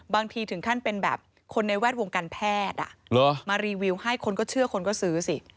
ถึงขั้นเป็นแบบคนในแวดวงการแพทย์มารีวิวให้คนก็เชื่อคนก็ซื้อสิ